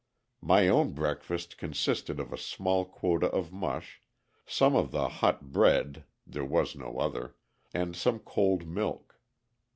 My own breakfast consisted of a small quota of mush, some of the hot bread (there was no other), and some cold milk.